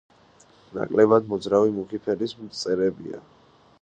ნაკლებად მოძრავი, მუქი ფერის მწერებია.